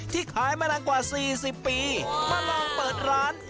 ขายมานานกว่า๔๐ปีมาลองเปิดร้าน